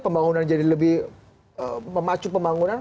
pembangunan jadi lebih memacu pembangunan